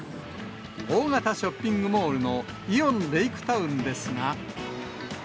大型ショッピングモールのイオンレイクタウンですが。